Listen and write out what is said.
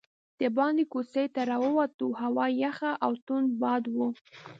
دباندې کوڅې ته راووتو، هوا یخه او توند باد و.